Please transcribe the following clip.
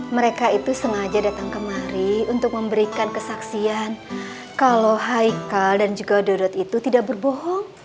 mereka itu sengaja datang kemari untuk memberikan kesaksian kalau haikal dan juga dodot itu tidak berbohong